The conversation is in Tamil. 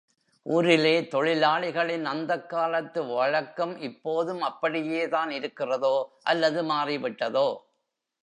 ஊரிலே தொழிலாளிகளின் அந்தக் காலத்து வழக்கம் இப்போதும் அப்படியேதான் இருக்கிறதோ, அல்லது மாறிவிட்டதோ?